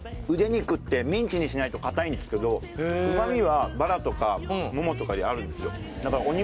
肉ってミンチにしないと硬いんですけど旨みはバラとかももとかよりあるんですよ